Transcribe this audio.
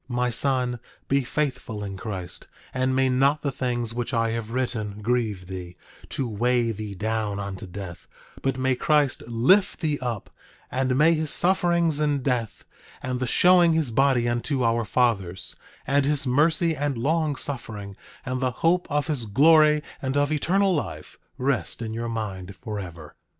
9:25 My son, be faithful in Christ; and may not the things which I have written grieve thee, to weigh thee down unto death; but may Christ lift thee up, and may his sufferings and death, and the showing his body unto our fathers, and his mercy and long suffering, and the hope of his glory and of eternal life, rest in your mind forever.